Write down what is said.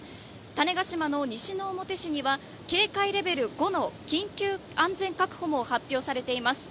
種子島の西之表市には警戒レベル５の緊急安全確保も発表されています。